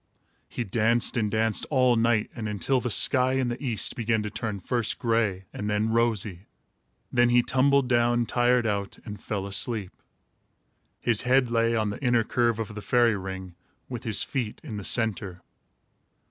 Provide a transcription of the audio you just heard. He danced and danced, all night and until the sky in the east began to turn, first gray and then rosy. Then he tumbled down, tired out, and fell asleep. His head lay on the inner curve of the fairy ring, with his feet in the centre.